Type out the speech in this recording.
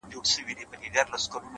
وخت د غفلت تاوان زیاتوي!